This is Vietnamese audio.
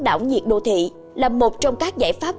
đảo nhiệt đô thị là một trong các giải pháp